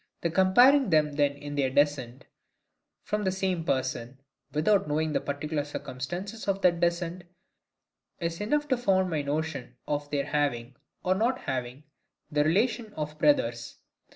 The comparing them then in their descent from the same person, without knowing the particular circumstances of that descent, is enough to found my notion of their having, or not having, the relation of brothers.